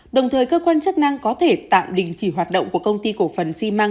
đồng thời cơ quan chức năng có thể tạm đình chỉ hoạt động của công ty cổ phần xi măng